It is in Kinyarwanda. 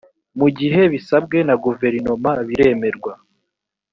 mu gihe bisabwe na guverinoma biremerwa